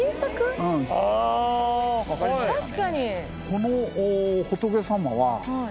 この仏様は。